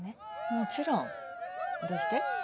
もちろんどうして？